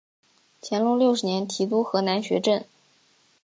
乾隆六十年提督河南学政。